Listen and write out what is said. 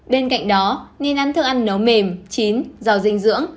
bên cạnh đó nên ăn thức ăn nấu mềm chín dầu dinh dưỡng